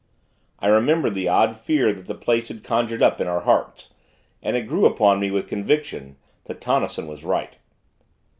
I remembered the odd fear that the place had conjured up in our hearts; and it grew upon me, with conviction, that Tonnison was right.